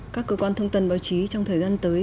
các cơ quan thông tin báo chí trong thời gian tới